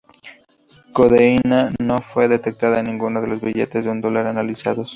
Codeína no fue detectada en ninguno de los billetes de un dólar analizados".